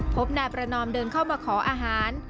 พบนายประนอมเดินเข้ามาขออาหาร